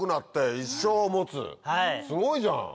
すごいじゃん！